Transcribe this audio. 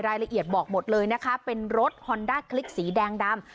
รายละเอียดบอกหมดเลยนะคะเป็นรถฮอนด้าคลิกสีแดงดำ